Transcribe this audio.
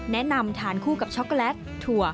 แนะนำทานคู่กับช็อกโกแลตถั่ว